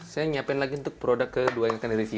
saya nyiapin lagi untuk produk kedua yang akan direview